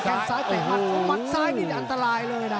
งซ้ายเตะมัดมัดซ้ายนี่อันตรายเลยนะ